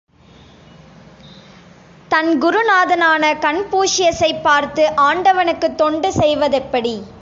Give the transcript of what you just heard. தன் குருநாதனான கன்பூஷியசைப் பார்த்து, ஆண்டவனுக்கு தொண்டு செய்வதெப்படி?